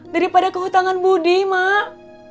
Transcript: daripada kehutangan budi mak